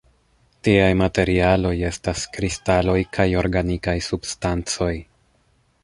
Tiaj materialoj estas kristaloj kaj organikaj substancoj.